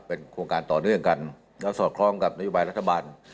เป็นโครงการต่อเนื่องกันแล้วสอดคล้องกับนโยบายรัฐบาล